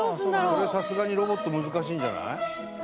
これさすがにロボット難しいんじゃない？